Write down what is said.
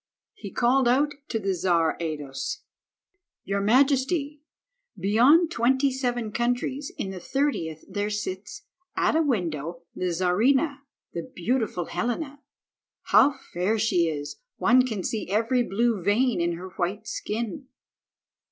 He called out to the Czar Ados— "Your majesty, beyond twenty seven countries in the thirtieth there sits, at a window, the Czarina, the beautiful Helena. How fair she is! One can see every blue vein in her white skin."